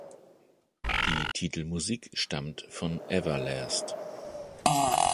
Die Titelmusik stammt von Everlast.